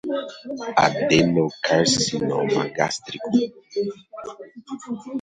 Adenocarcinoma Gástrico